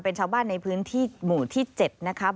เป็นชาวบ้านในพื้นที่หมู่ที่๗นะครับ